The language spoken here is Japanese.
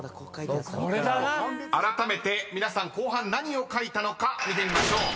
［あらためて皆さん後半何を書いたのか見てみましょう］